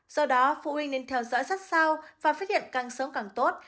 do đó phụ huynh nên theo dõi sát sao và phát hiện càng sớm càng tốt